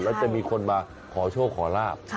จะมีคนมาขอโชคขอราพ